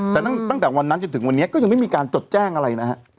แต่ตั้งแต่วันนั้นจนถึงวันนี้ก็ยังไม่มีการจดแจ้งอะไรนะฮะ